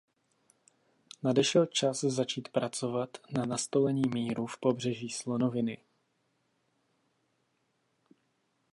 Nadešel čas začít pracovat na nastolení míru v Pobřeží slonoviny.